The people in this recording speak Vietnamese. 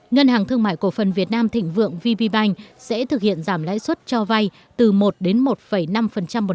ngân hàng thương mại cổ phần việt nam thịnh vượng vb bank sẽ thực hiện giảm lãi suất cho vay từ một đến một năm